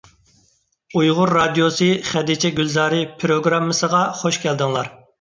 ئۇيغۇر رادىيوسى «خەدىچە گۈلزارى» پىروگراممىسىغا خۇش كەلدىڭلار!